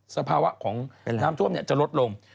สภาวะของน้ำท่วมจะลดลง